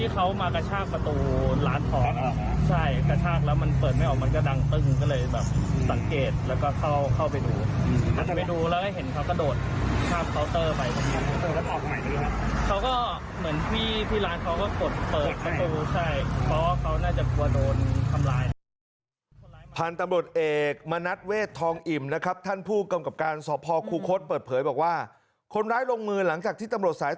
เขาก็เหมือนพี่ร้านเขาก็กดเปิด